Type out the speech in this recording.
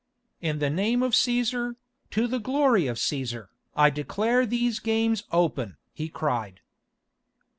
"In the name of Cæsar, to the glory of Cæsar, I declare these games open!" he cried.